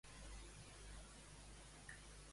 Qui compartia amb la divinitat el nom de Xólotl?